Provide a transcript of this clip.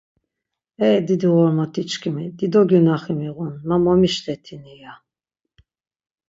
E didi ğormotiçkimi, dido gyunaxi miğun, ma momişletini, ya.